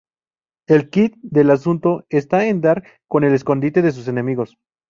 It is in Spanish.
El quid del asunto está en dar con el escondite de sus enemigos.